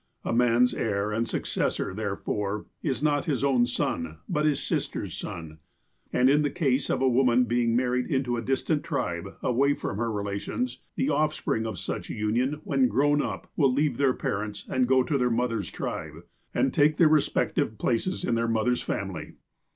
A man's heir and successor, therefore, is not his own son, but his sister's son. And, in the case of a woman being married into a distant tribe, away from her relations, the offspring of such union, when grown up, will leave their parents and go to their mother's tribe, and take their respective places in their mother's family.